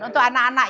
untuk anak anak ya